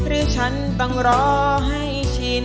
หรือฉันต้องรอให้ชิน